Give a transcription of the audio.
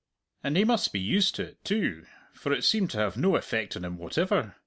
And he must be used to it, too, for it seemed to have no effect on him whatever.